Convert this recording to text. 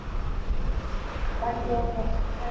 bado wako katika harakati za kuwatafuta manusura